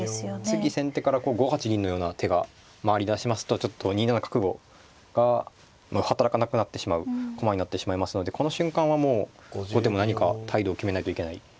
次先手から５八銀のような手が回りだしますとちょっと２七角が働かなくなってしまう駒になってしまいますのでこの瞬間はもう後手も何か態度を決めないといけない。